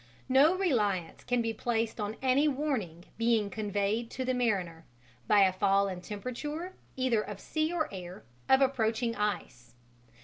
"No reliance can be placed on any warning being conveyed to the mariner, by a fall in temperature, either of sea or air, of approaching ice.